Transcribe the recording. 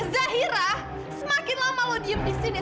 zahira semakin lama lo diem di sini